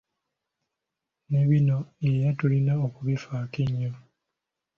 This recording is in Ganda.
Ne bino era tulina okubifaako ennyo.